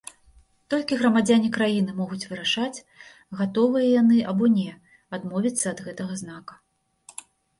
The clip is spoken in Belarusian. Толькі грамадзяне краіны могуць вырашаць, гатовыя яны або не адмовіцца ад гэтага знака.